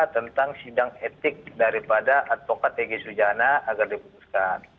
tentang sidang etik daripada advokat egy sujana agar diputuskan